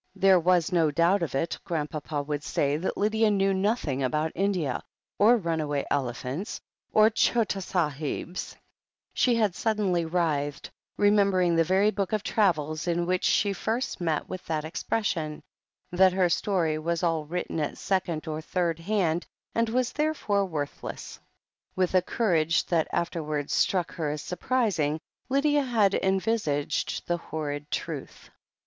There was no doubt of it — Grandpapa would say that Lydia knew nothing about India, or runaway elephants, or chota sahibs — ^she had suddenly writhed, remembering the very book of travels in which she first met with that expression — ^that her story was all written at second or third hand, and was therefore worthless. With a cour age that afterwards struck her as surprising, Lydia had envisaged the horrid truth.